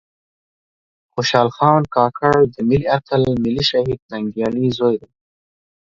خوشال خان کاکړ د ملي آتل ملي شهيد ننګيالي ﺯوې دې